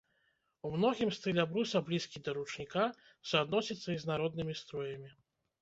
У многім стыль абруса блізкі да ручніка, суадносіцца і з народнымі строямі.